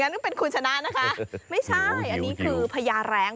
อย่างนั้นก็เป็นขุนชนะนะคะไม่ใช่อันนี้คือพญาแร้ง